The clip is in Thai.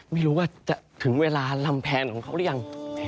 ไม่รู้ว่าจะถึงเวลาลำแพงของเขาหรือยัง